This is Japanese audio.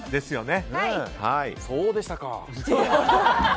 そうでしたか！